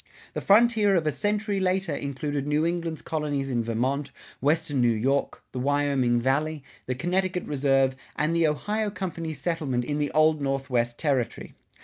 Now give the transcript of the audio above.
The frontier of a century later included New England's colonies in Vermont, Western New York, the Wyoming Valley, the Connecticut Reserve, and the Ohio Company's settlement in the Old Northwest Territory.